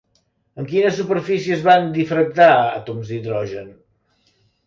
En quines superfícies van difractar àtoms d'hidrogen?